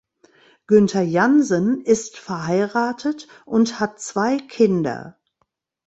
Günther Jansen ist verheiratet und hat zwei Kinder.